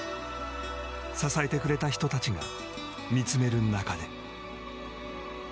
支えてくれた人たちが見つめる中で。